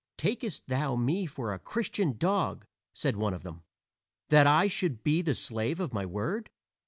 "Takest thou me for a Christian dog," said one of them, "that I should be the slave of my word?"